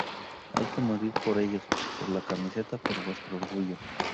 Hay que morir por ellos, por la camiseta, por vuestro orgullo.